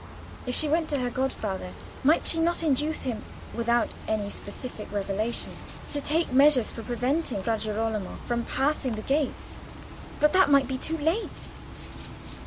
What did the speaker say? If she went to her godfather, might she not induce him, without any specific revelation, to take measures for preventing Fra Girolamo from passing the gates? But that might be too late.